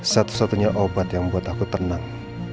satu satunya obat yang membuat aku tenang